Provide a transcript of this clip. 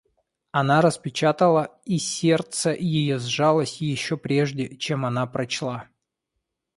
Она распечатала, и сердце ее сжалось еще прежде, чем она прочла.